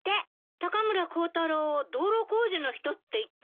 高村光太郎を道路工事の人って言ったのね。